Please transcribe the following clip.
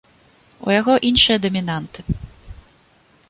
У яго іншыя дамінанты.